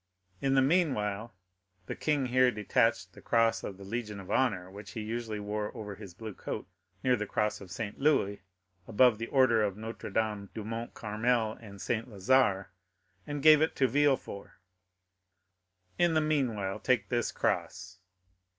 In the meanwhile" (the king here detached the cross of the Legion of Honor which he usually wore over his blue coat, near the cross of St. Louis, above the order of Notre Dame du Mont Carmel and St. Lazare, and gave it to Villefort)—"in the meanwhile take this cross."